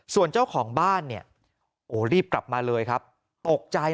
ส่วนเจ้าของบ้านเนี่ยโอ้รีบกลับมาเลยครับตกใจ